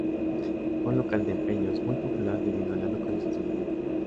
Fue un local de empeños muy popular debido a la localización del mismo.